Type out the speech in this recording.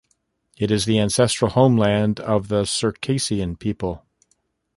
It is the ancestral homeland of the Circassian people.